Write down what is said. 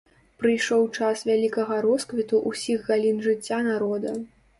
Прыйшоў час вялікага росквіту ўсіх галін жыцця народа.